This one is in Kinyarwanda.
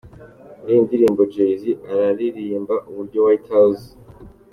Muri iyi ndirimbo Jay-Z aririmba uburyo White House.